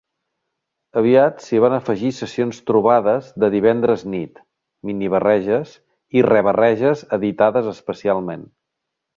Aviat s'hi van afegir sessions trobades de divendres nit, mini-barreges i re-barreges editades especialment.